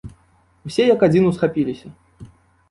Усе як адзін усхапіліся.